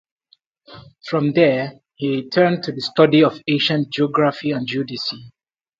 From there he turned to the study of ancient geography and geodesy.